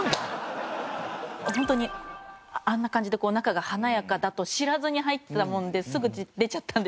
ホントにあんな感じで中が華やかだと知らずに入ったもんでビビッちゃった？